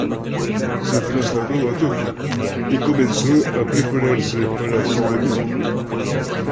Se trasladó a Tokio y comenzó a prepararse para su debut.